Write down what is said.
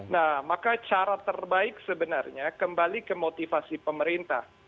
nah maka cara terbaik sebenarnya kembali ke motivasi pemerintah